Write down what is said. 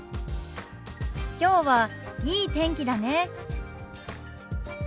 きょうはいい天気だね。